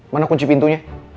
mana kunci pintunya